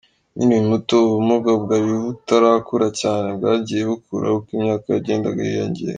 Nkiri muto ubu bumuga bwari butarakura cyane, bwagiye bukura uko imyaka yagendaga yiyongera.